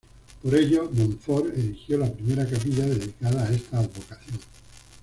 Por ello, Montfort erigió la primera capilla dedicada a esta advocación.